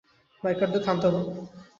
বাইকারদের থামতে বল।